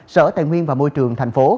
sở tài nguyên và môi trường thành phố